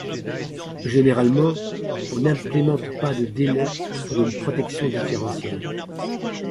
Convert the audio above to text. Généralement on n'implémente pas de délai pour une protection différentielle.